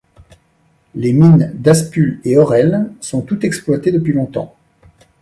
Les mines d'Aspull et Orell sont toutes exploitées depuis longtemps.